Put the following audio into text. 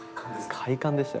快感でしたよ